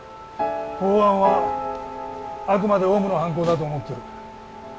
公安はあくまでオウムの犯行だと思ってる。